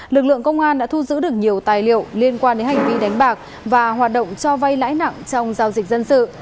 lực lượng công an đã thu giữ được nhiều tài liệu liên quan đến hành vi đánh bạc và hoạt động cho vay lãi nặng trong giao dịch dân sự